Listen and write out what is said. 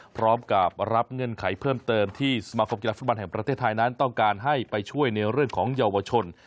พร้อมกับรับเงื่อนไขเพิ่มเติมที่สมาคมกีฬาฟุตบอลแห่งประเทศไทยนั้นต้องการให้ไปช่วยในเรื่องของเยาวชน